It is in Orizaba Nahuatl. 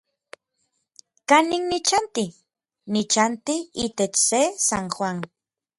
¿Kanin nichanti? Nichanti itech se San Juan.